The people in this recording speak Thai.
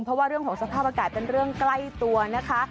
เพราะว่าเรื่องของสภาพอากาศเป็นเรื่องใกล้ตัวนะคะ